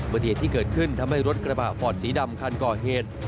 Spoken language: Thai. เหตุที่เกิดขึ้นทำให้รถกระบะฟอร์ดสีดำคันก่อเหตุ